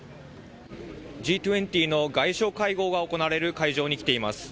Ｇ２０の外相会合が行われる会場に来ています。